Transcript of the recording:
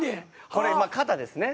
これ今肩ですね。